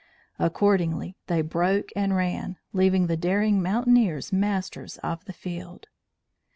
Accordingly they broke and ran, leaving the daring mountaineers masters of the field.